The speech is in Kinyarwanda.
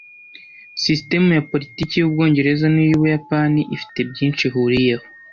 Sisitemu ya politiki y'Ubwongereza n'Ubuyapani ifite byinshi ihuriyeho.